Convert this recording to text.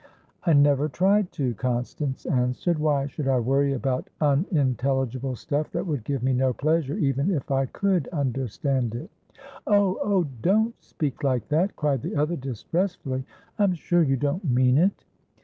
"I never tried to," Constance answered. "Why should I worry about unintelligible stuff that would give me no pleasure even if I could understand it?" "Oh! Oh! Don't speak like that!" cried the other, distressfully. "I'm sure you don't mean it!"